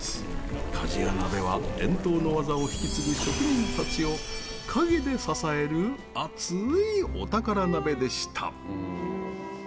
「鍛冶屋鍋」は伝統の技を引き継ぐ職人たちを陰で支える熱いお宝鍋でした。